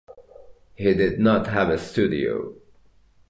He did not have a studio.